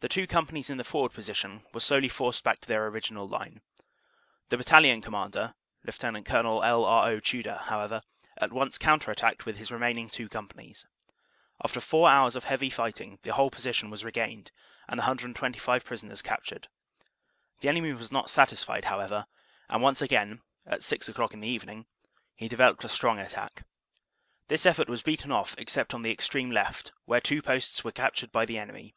The two companies in the forward position were slowly forced back to their original line. The Battalion Commander, Lt. Col. L. R. O. Tudor, however, at once counter attacked with his remaining two companies. After four hours of heavy righting the whole position was regained and 125 prisoners captured. The enemy was not satisfied, however, and once again, at six o clock in the evening, he developed a strong attack. This effort was beaten off except on the extreme left, where two posts were captured by the enemy.